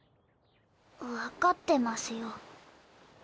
わかってますよ。